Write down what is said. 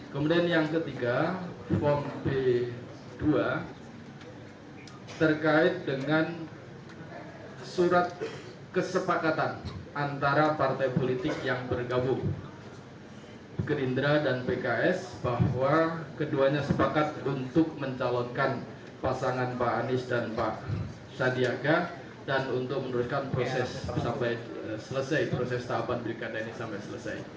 kemudian yang ketiga form b dua terkait dengan surat kesepakatan antara partai politik yang bergabung gerindra dan pks bahwa keduanya sepakat untuk mencalonkan pasangan pak anies dan pak sandiaga dan untuk menurutkan proses tahapan berikatan ini sampai selesai